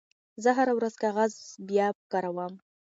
زه هره ورځ کاغذ بیاکاروم.